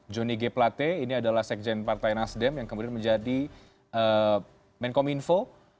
joni g plate ini adalah sekjen partai nasdem yang kemudian menjadi menkom info